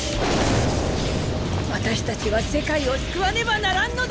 私たちは世界を救わねばならんのだ！